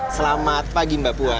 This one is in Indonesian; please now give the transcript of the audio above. selamat pagi mbak puan